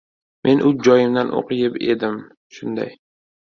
Men uch joyimdan o‘q yeb edim! Shunday!